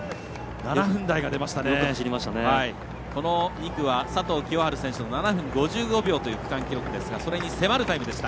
２区は佐藤清治選手の７分４４秒という区間記録ですがそれに迫るタイムでした。